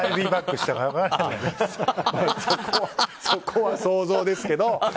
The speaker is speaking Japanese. そこは想像ですけど。